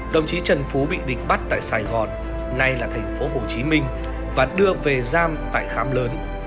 đồng chí trần phú bị địch bắt tại sài gòn nay là thành phố hồ chí minh và đưa về giam tại kham lớn